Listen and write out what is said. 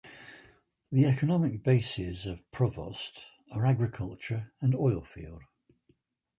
The economic bases of Provost are agriculture and oilfield.